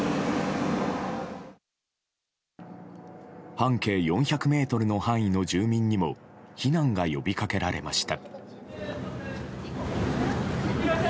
半径４００ｍの範囲の住民にも避難が呼びかけられました。